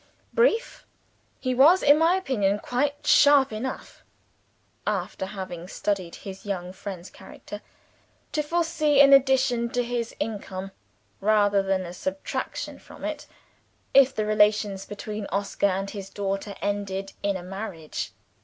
Brief, he was, in my opinion, quite sharp enough (after having studied his young friend's character) to foresee an addition to his income, rather than a subtraction from it, if the relations between Oscar and his daughter ended in a marriage.